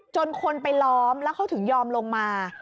คนไปล้อมแล้วเขาถึงยอมลงมา